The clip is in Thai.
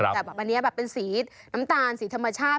แต่แบบอันนี้แบบเป็นสีน้ำตาลสีธรรมชาติ